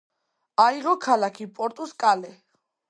აიღო ქალაქი პორტუს კალე.